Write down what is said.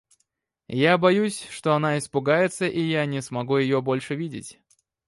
Я боюсь, что она испугается и я не смогу её больше видеть.